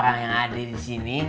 orang yang ada disini